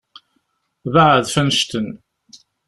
Beεεed ɣef annect-en.